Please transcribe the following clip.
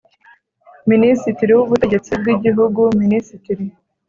Minisitiri w Ubutegetsi bw Igihugu Minisitiri